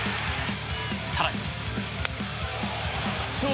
更に。